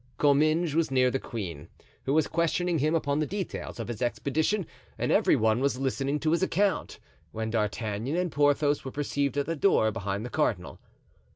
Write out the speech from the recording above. Comminges was near the queen, who was questioning him upon the details of his expedition, and every one was listening to his account, when D'Artagnan and Porthos were perceived at the door, behind the cardinal.